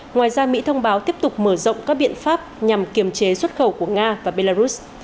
ngoài ra mỹ thông báo tiếp tục mở rộng các biện pháp nhằm kiềm chế xuất khẩu của nga và belarus